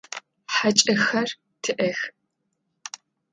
ХьакӀэхэр тиӀэх.